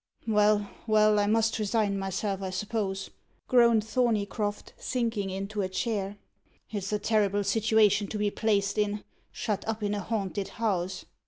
"Well, well, I must resign myself, I suppose," groaned Thorneycroft, sinking into a chair. "It's a terrible situation to be placed in shut up in a haunted house."